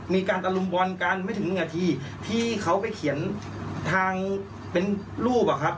มีการตะลุมบอลกันไม่ถึงหนึ่งนาทีที่เขาไปเขียนทางเป็นรูปอะครับ